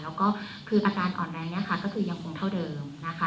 แล้วก็คืออาการอ่อนแรงเนี่ยค่ะก็คือยังคงเท่าเดิมนะคะ